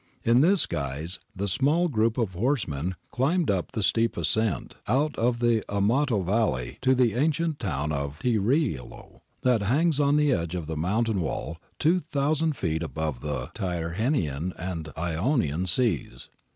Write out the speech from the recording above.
In this guise the small group of horsemen climbed the steep ascent out of the Amato valley to the ancient town of Tiriolo, that hangs on the edge of the mountain wall, 2000 feet above the Tyrrhenian and Ionian seas.